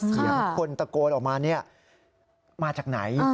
เสียงคนตกลออกมานี่มาจากไหน